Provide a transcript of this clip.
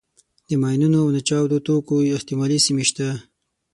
د ماینونو او ناچاودو توکو احتمالي سیمې شته.